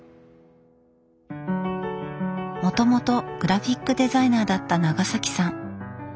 もともとグラフィックデザイナーだった永崎さん。